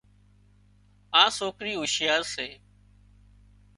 آ سوڪري هوشيار سي